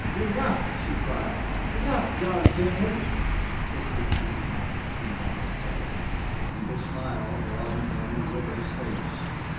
"Enough!" she cried, "enough, John Tipton!" Tipton drew back involuntarily, and a smile broadened on the widow's face.